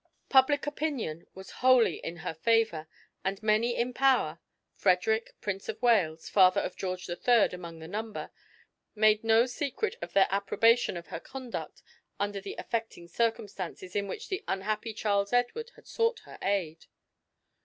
Public opinion was wholly in her favour, and many in power, Frederick, Prince of Wales, father of George III, among the number, made no secret of their approbation of her conduct under the affecting circumstances in which the unhappy Charles Edward had sought her aid.